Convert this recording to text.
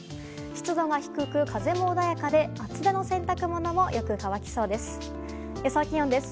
湿度が低く、風も穏やかで厚手の洗濯物もよく乾きそうです。